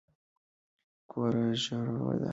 کور ژر ودان کړه.